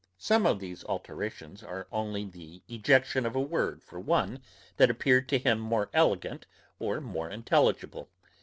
Some of these alterations are only the ejection of a word for one that appeared to him more elegant or more intelligible.